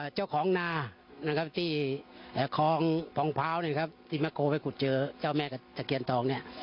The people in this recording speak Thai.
เจ้าของนานะครับที่คลองพร้าวนะครับที่แม่โกไปขุดเจอเจ้าแม่กับตะเคียนทองเนี่ย